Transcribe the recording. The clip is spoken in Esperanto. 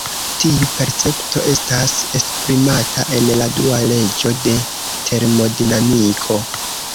Tiu percepto estas esprimata en la dua leĝo de termodinamiko.